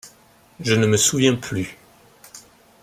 Je ne me souviens plus.